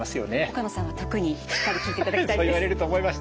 岡野さんは特にしっかり聞いていただきたいです。